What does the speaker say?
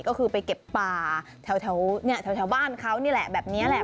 ก็คือไปเก็บป่าแถวบ้านเขานี่แหละแบบนี้แหละ